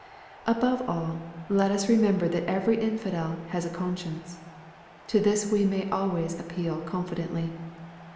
Above all, let us remember that every infidel has a con science. To this we may always appeal confidently.